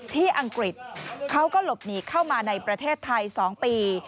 อังกฤษเขาก็หลบหนีเข้ามาในประเทศไทย๒ปี